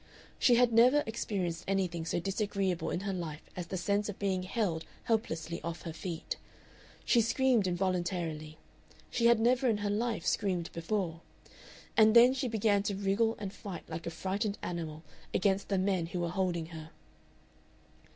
She had never experienced anything so disagreeable in her life as the sense of being held helplessly off her feet. She screamed involuntarily she had never in her life screamed before and then she began to wriggle and fight like a frightened animal against the men who were holding her.